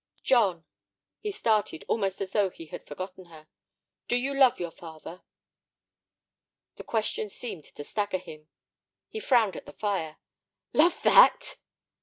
"John." He started, almost as though he had forgotten her. "Do you love your father?" The question seemed to stagger him; he frowned at the fire. "Love that!"